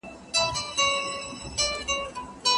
کله کله چي به يعقوب عليه السلام د يوسف يادونه وکړه.